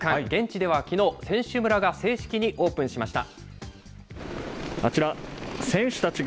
現地ではきのう、選手村が正式にオープンしました。